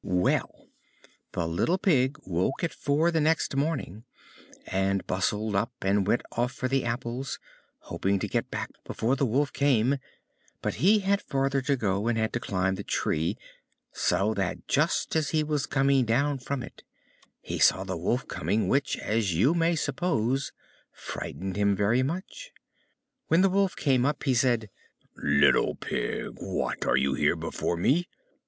Well, the little Pig woke at four the next morning, and bustled up, and went off for the apples, hoping to get back before the Wolf came; but he had farther to go, and had to climb the tree, so that just as he was coming down from it, he saw the Wolf coming, which, as you may suppose, frightened him very much. When the Wolf came up he said, "Little Pig, what! are you here before me?